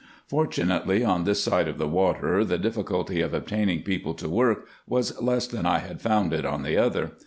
Fortunately on this side of the water the difficulty of obtaining people to work was less than I had found it on the other.